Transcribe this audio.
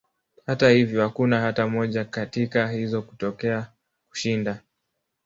Hata hivyo, hakuna hata moja katika hizo kutokea kushinda.